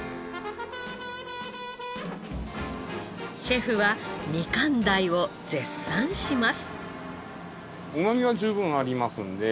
シェフはみかん鯛を絶賛します。